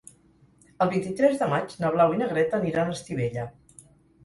El vint-i-tres de maig na Blau i na Greta aniran a Estivella.